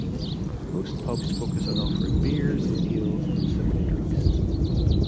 Most pubs focus on offering beers, ales and similar drinks.